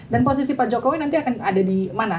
posisi pak jokowi nanti akan ada di mana